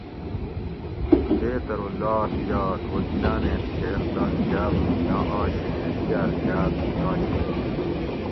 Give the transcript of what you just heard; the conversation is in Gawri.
سیت ارو لاڷ یات وکیلۤانیں تھیر تانی جاۤب می نہ آشیں دیاۤل جاۤب می آشیں